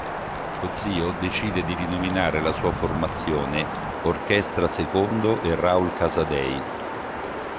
Lo zio decide di rinominare la sua formazione "Orchestra Secondo e Raoul Casadei".